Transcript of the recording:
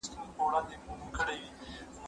زه پرون کتابتوننۍ سره وم!!